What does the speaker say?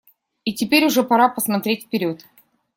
И теперь уже пора посмотреть вперед.